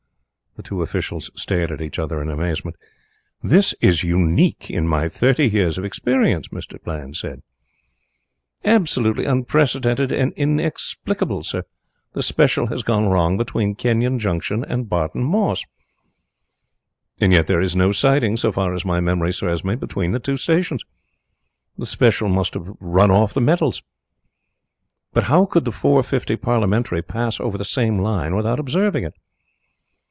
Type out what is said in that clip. The two officials stared at each other in amazement. "This is unique in my thirty years of experience," said Mr. Bland. "Absolutely unprecedented and inexplicable, sir. The special has gone wrong between Kenyon Junction and Barton Moss." "And yet there is no siding, so far as my memory serves me, between the two stations. The special must have run off the metals." "But how could the four fifty parliamentary pass over the same line without observing it?"